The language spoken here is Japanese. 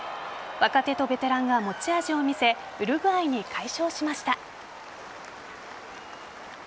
若手とベテランが持ち味を見せウルグアイに快勝しました。